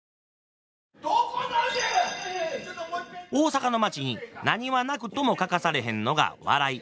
大阪の町に何はなくとも欠かされへんのが笑い。